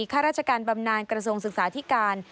ข้าราชการบำนานกระทรวงศึกษาธิการ